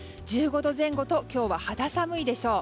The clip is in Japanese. １５度前後と今日は肌寒いでしょう。